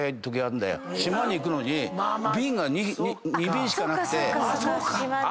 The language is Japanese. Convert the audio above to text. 島に行くのに便が２便しかなくて。